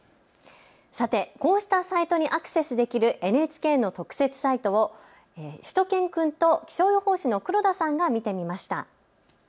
さてこうしたサイトにアクセスできるＮＨＫの特設サイトをしゅと犬くんと気象予報士の黒田さんが見てみました。